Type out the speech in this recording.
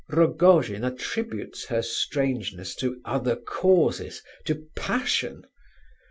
Rogojin attributes her strangeness to other causes, to passion!